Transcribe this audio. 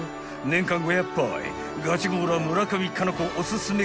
［年間５００杯ガチゴーラー村上佳菜子］